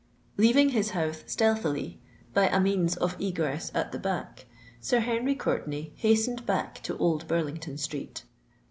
Leaving his house stealthily, by a means of egress at the back, Sir Henry Courtenay hastened back to Old Burlington Street.